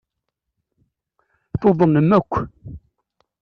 Tuḍnem akk.